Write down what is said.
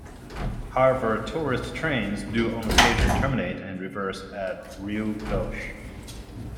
However, tourist trains do on occasion terminate and reverse at Rhiw Goch.